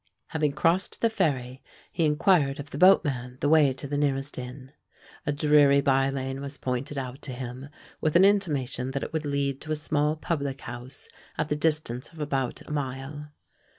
Having crossed the ferry, he inquired of the boatman the way to the nearest inn. A dreary by lane was pointed out to him, with an intimation that it would lead to a small public house, at the distance of about a mile.